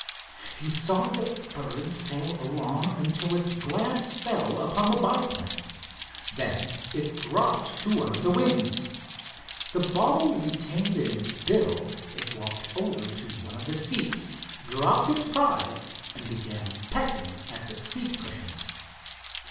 He saw the bird sail along until its glance fell upon the biplane. Then it dropped to one of the wings. The bauble retained in its bill, it walked over to one of the seats, dropped its prize, and began pecking at the seat cushions.